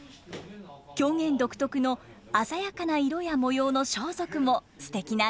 狂言独特の鮮やかな色や模様の装束もすてきなんですよね。